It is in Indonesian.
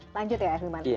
lanjut ya ahilman